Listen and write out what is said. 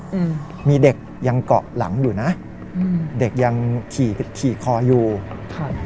อืมมีเด็กยังเกาะหลังอยู่นะอืมเด็กยังขี่ขี่คออยู่ครับ